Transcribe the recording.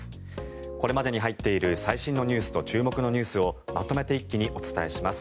これまでに入っている最新ニュースと注目ニュースをまとめて一気にお伝えします。